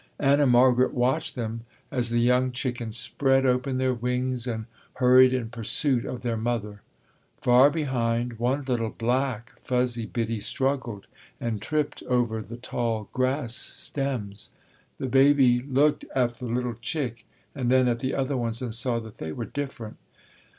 Anna Margaret watched them as the young chickens spread open their wings and hurried in pursuit of their mother. Far behind one little black, fuzzy biddie struggled and tripped over the tall grass stems. The baby looked at the little chick and then at the other ones and saw that they were different.